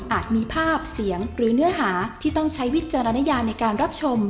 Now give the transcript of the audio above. มีภาพเสียงหรือเนื้อหาที่ต้องใช้วิจารณญาในการรับชม